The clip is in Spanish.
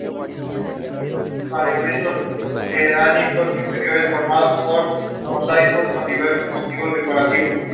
Selene le confiesa que había matado a Viktor.